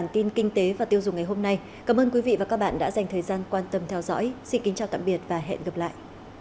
xin kính chào tạm biệt và hẹn gặp lại